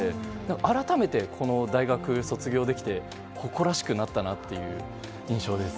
改めて、この大学を卒業できて誇らしくなったなという印象です。